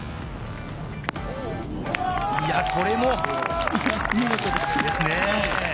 これも見事です。